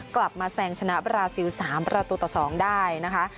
กลับมาแซงชนะบราซิล๓ประตูต่อ๒ได้นะคะ